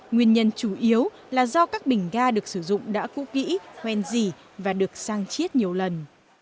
nguyên nhân chủ yếu là do các bình ga được sử dụng đã cũ kỹ hoen dỉ và được sang chiết nhiều lần